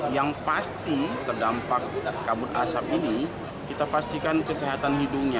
yang pasti terdampak kabut asap ini kita pastikan kesehatan hidungnya